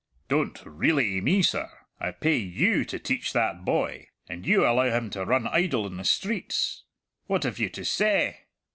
"Don't 'really' me, sir! I pay you to teach that boy, and you allow him to run idle in the streets. What have you to seh?"